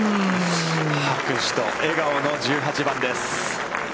拍手と笑顔の１８番です。